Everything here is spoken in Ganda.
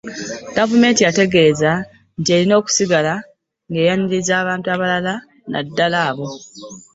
Gavumenti yategeeza nti erina okusigala ng'eyaniriza abantu abalala nnaddala ab